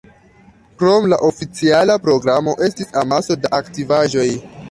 Krom la oficiala programo estis amaso da aktivaĵoj.